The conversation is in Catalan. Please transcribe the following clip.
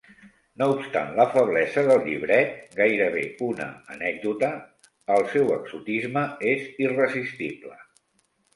No obstant la feblesa del llibret —gairebé una anècdota— el seu exotisme és irresistible.